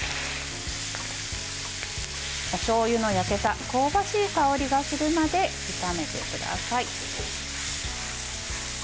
おしょうゆの焼けた香ばしい香りがするまで炒めてください。